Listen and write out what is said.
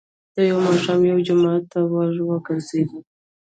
. يو ماښام يوه جومات ته ور وګرځېدم،